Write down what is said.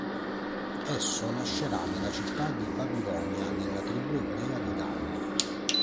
Esso nascerà nella città di Babilonia nella tribù ebrea di Dan.